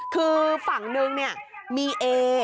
คือฝั่งหนึ่งเนี่ยมีเอ